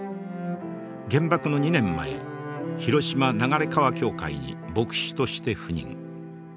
原爆の２年前広島流川教会に牧師として赴任。